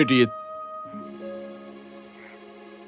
mungkin ini hadiahmu mengetahui cara menghasilkan uang